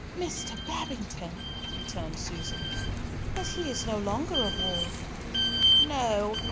"Mr. Babington!" returned Susan. "But he is no longer a ward!" "No.